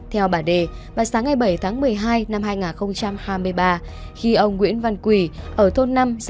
theo bà đề vào sáng ngày bảy tháng một mươi hai năm hai nghìn hai mươi ba khi ông nguyễn văn quỳ ở thôn năm